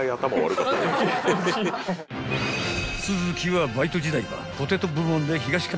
［都築はバイト時代は］